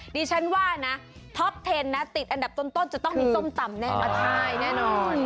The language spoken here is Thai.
ดิฉันว่านะท็อปเทนนะติดอันดับต้นจะต้องมีส้มตำแน่นอนใช่แน่นอน